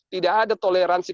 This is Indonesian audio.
tidak ada toleransi